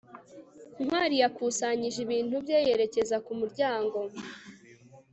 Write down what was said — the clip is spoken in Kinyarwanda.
ntwali yakusanyije ibintu bye yerekeza ku muryango